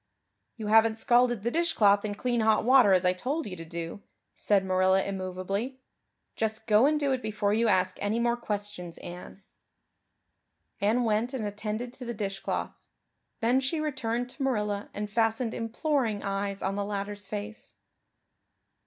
"You haven't scalded the dishcloth in clean hot water as I told you to do," said Marilla immovably. "Just go and do it before you ask any more questions, Anne." Anne went and attended to the dishcloth. Then she returned to Marilla and fastened imploring eyes of the latter's face.